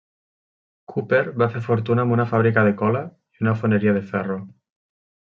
Cooper va fer fortuna amb una fàbrica de cola, i una foneria de ferro.